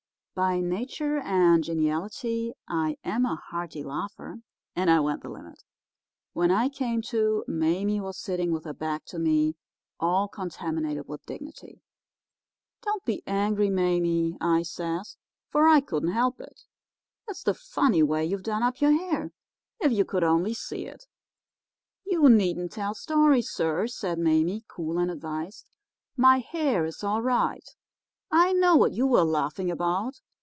By nature and geniality I am a hearty laugher, and I went the limit. When I came to, Mame was sitting with her back to me, all contaminated with dignity. "'Don't be angry, Mame,' I says, 'for I couldn't help it. It's the funny way you've done up your hair. If you could only see it!' "'You needn't tell stories, sir,' said Mame, cool and advised. 'My hair is all right. I know what you were laughing about.